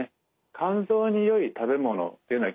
肝臓によい食べ物というのは